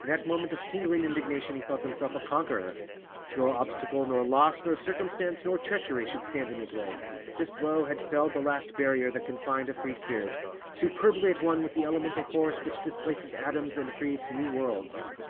In that moment of tingling indignation he felt himself a conqueror; nor obstacle, nor loss, nor circumstance, nor treachery should stand in his way. This blow had felled the last barrier that confined a free spirit, superbly at one with the elemental force which displaces atoms and creates new worlds.